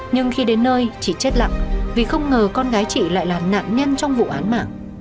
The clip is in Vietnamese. nhưng khi đến nơi chị chết lặng vì không ngờ con gái chị lại là nạn nhân trong vụ án mạng